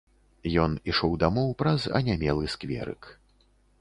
Ён ішоў дамоў праз анямелы скверык.